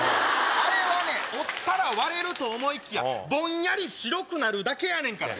あれはね折ったら割れると思いきやぼんやり白くなるだけやねんから。